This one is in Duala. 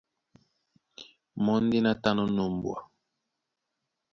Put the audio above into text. Mɔ́ ndé ná tánɔ̄ ná ombwa.